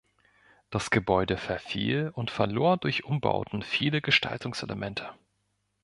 Das Gebäude verfiel und verlor durch Umbauten viele Gestaltungselemente.